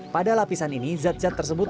pada lapisan ini zat zat tersebut